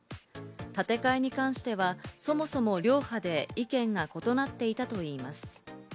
建て替えに関しては、そもそも両派で意見が異なっていたといいます。